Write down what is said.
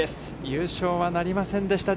優勝はなりませんでした。